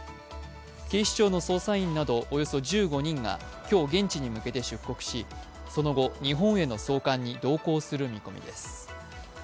警視庁の捜査員などおよそ１５人が今日現地に向けて出国しその後、日本への送還に同行する見込みです。